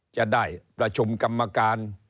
จะได้ประชุมกรรมการ